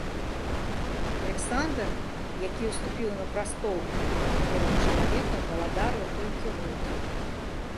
Аляксандр, які ўступіў на прастол ужо хворым чалавекам, валадарыў толькі год.